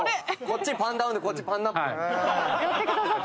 こっちパンダウンでこっちパンアップ。